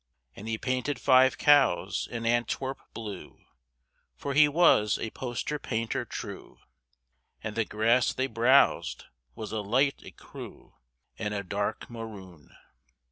And he painted five cows in Antwerp blue (For he was a poster painter true), And the grass they browsed was a light écru And a dark maroon.